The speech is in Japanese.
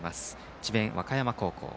智弁和歌山高校。